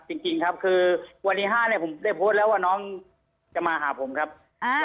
จริงครับคือวันที่๕เนี่ยผมได้โพสต์แล้วว่าน้องจะมาหาผมครับ